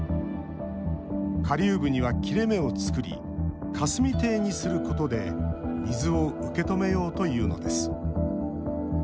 下流部には切れ目を作り霞堤にすることで水を受け止めようというのです。